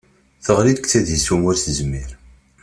Teɣli-d deg tadist umu ur tezmir.